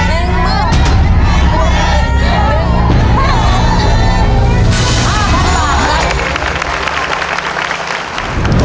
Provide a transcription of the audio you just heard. หนึ่งหมื่น